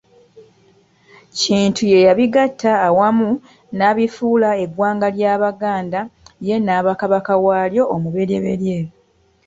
Kintu ye yabigatta awamu n'abifuula eggwanga ly'Abaganda ye n'aba Kabaka waalyo omubereberye.